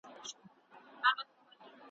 چي یو یو خواږه یاران مي باندي تللي ,